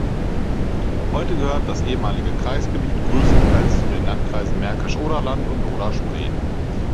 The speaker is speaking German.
Heute gehört das ehemalige Kreisgebiet größtenteils zu den Landkreisen Märkisch-Oderland und Oder-Spree.